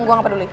gue gak peduli